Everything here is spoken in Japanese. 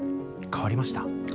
変わりました。